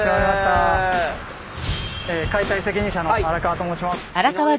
解体責任者の荒川と申します。